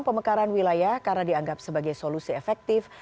pemekaran wilayah karena dianggap sebagai solusi efektif